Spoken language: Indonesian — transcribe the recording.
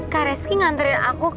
kak reski nganterin aku